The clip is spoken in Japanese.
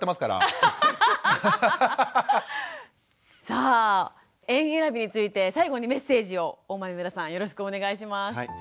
さあ園えらびについて最後にメッセージを大豆生田さんよろしくお願いします。